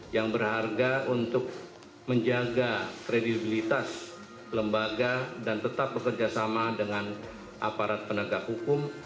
yang berharga untuk menjaga kredibilitas lembaga dan tetap bekerja sama dengan aparat penegak hukum